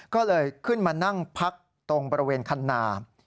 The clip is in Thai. ก็เลยขึ้นมานั่งพักตรงบริเวณคันนา